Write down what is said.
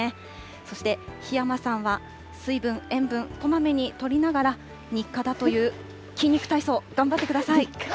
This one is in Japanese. そして檜山さんは水分、塩分、こまめにとりながら、日課だという筋肉体操、頑張ってください。